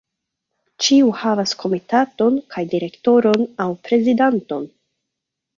Ĉiu havas komitaton kaj direktoron aŭ prezidanton.